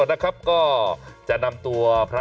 จนพระท่านทางศักดิ์ต้องยอมจำนวนตอนหลักฐานนะครับ